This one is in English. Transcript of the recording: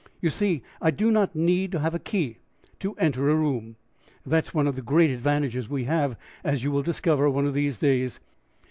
You see, I do not need to have a key to enter a room; that is one of the great advantages we have, as you will discover one of these days.